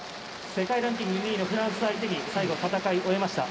世界ランキング２位のフランス相手に戦い終えました。